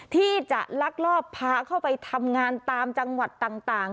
ที่จะลักลอบพาเข้าไปทำงานตามจังหวัดต่าง